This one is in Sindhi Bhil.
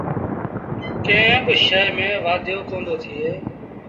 ڪݩهݩ با شئي ميݩ وآڌيو ڪوندو ٿئي۔